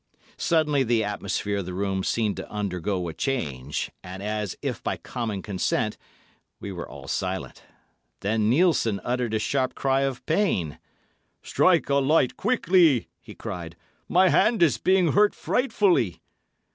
Suddenly the atmosphere of the room seemed to undergo a change, and, as if by common consent, we were all silent. Then Nielssen uttered a sharp cry of pain. "Strike a light quickly," he cried; "my hand is being hurt frightfully!"